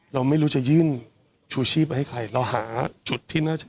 ที่น้ำพัด